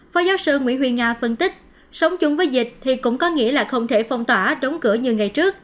phó giáo sư nguyễn huy nga phân tích sống chung với dịch thì cũng có nghĩa là không thể phong tỏa đóng cửa như ngày trước